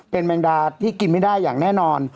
เป็นแมงดาที่กินไม่ได้อย่างแน่นอน